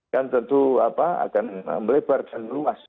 kan tentu akan melebar dan luas